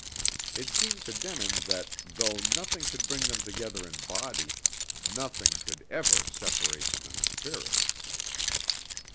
It seemed to Denin that, though nothing could bring them together in body, nothing could ever separate them in spirit.